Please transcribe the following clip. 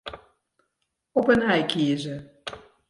Op 'e nij kieze.